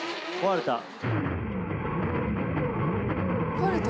壊れた？